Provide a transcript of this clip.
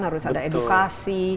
harus ada edukasi